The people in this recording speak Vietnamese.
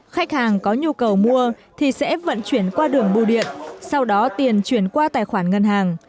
khách hàng có nhu cầu mua thì sẽ vận chuyển qua đường bưu điện sau đó tiền chuyển qua tài khoản ngân hàng